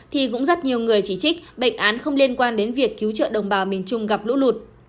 thì cũng rất nhiều người chỉ trích bệnh án không liên quan đến việc cứu trợ đồng bào miền trung gặp lũ lụt